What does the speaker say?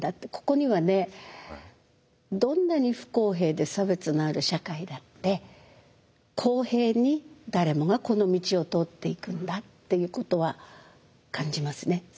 どんなに不公平で差別のある社会だって公平に誰もがこの道を通っていくんだっていうことは感じますね。